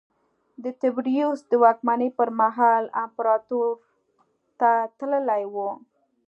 د تبریوس د واکمنۍ پرمهال امپراتور ته تللی و